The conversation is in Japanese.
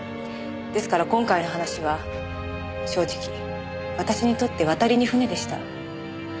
ですから今回の話は正直私にとって渡りに船でした。